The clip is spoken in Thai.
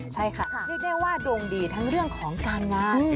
ใช่ค่ะเรียกได้ว่าดวงดีทั้งเรื่องของการงาน